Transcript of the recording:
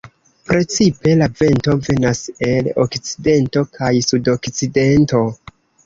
Precipe la vento venas el okcidento kaj sudokcidento.